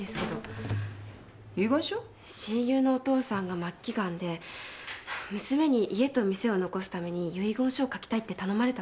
親友のお父さんが末期ガンで娘に家と店を残すために遺言書を書きたいって頼まれたんです。